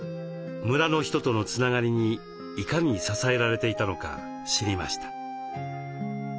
村の人とのつながりにいかに支えられていたのか知りました。